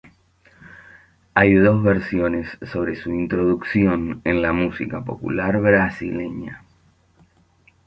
Hay dos versiones sobre su introducción en la música popular brasileña.